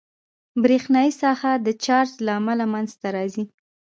برېښنایي ساحه د چارج له امله منځته راځي.